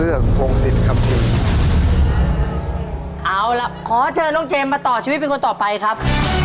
เอาล่ะขอเชิญน้องเจมส์มาต่อชีวิตเป็นคนต่อไปครับ